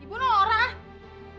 ibu nolah orang